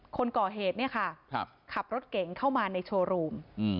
คนก่อเหตุเนี่ยค่ะขับรถเก๋งเข้ามาในโชว์รูม